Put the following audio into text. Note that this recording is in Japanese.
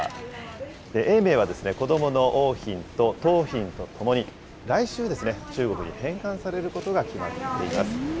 永明は子どもの桜浜と桃浜とともに、来週、中国に返還されることが決まっています。